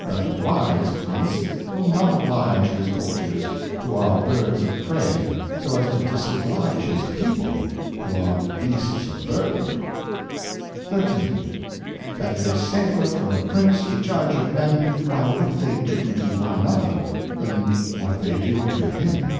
That a wise Prince will not oblige his Courtiers, who are Birds of Prey, so as to disobhge his People, who are Beasts of Burthen, 13. That it is safer for a Prince to Judge of Men by what they do to one another, than what they do to him.